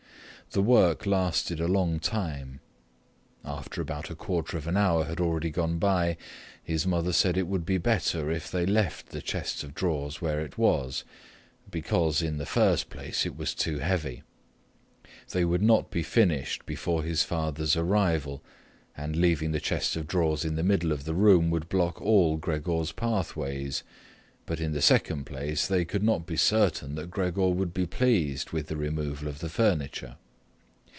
The work lasted a long time. After about a quarter of an hour had already gone by, his mother said it would be better if they left the chest of drawers where it was, because, in the first place, it was too heavy: they would not be finished before his father's arrival, and leaving the chest of drawers in the middle of the room would block all Gregor's pathways, but, in the second place, they could not be certain that Gregor would be pleased with the removal of the furniture.